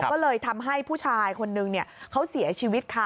ก็เลยทำให้ผู้ชายคนนึงเขาเสียชีวิตค่ะ